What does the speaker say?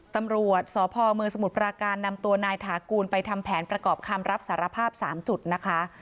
ตำรวจสพเมืองสมุทรปราการนำตัวนายถากูลไปทำแผนประกอบคำรับสารภาพ๓จุดนะคะ